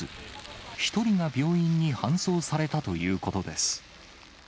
１人が病院に搬送されたということです。